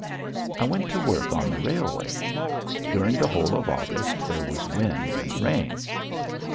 I went to work on the railway. During the whole of August there was wind and rain.